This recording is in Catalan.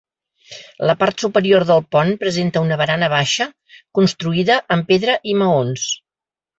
La part superior del pont presenta una barana baixa construïda amb pedra i maons.